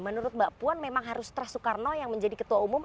menurut mbak puan memang harus teras soekarno yang menjadi ketua umum